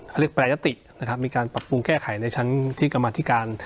เขาเรียกแปรยตินะครับมีการปรับปรุงแก้ไขในชั้นที่กรรมธิการ